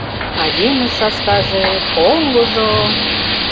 А емыж-саскаже, поҥгыжо!